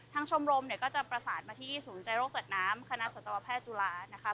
ทั้งชมรมเนี่ยก็จะประสานมาที่ศูนย์ใจโรคเสร็จน้ำคณะศัตรูแพทย์จุฬานะครับ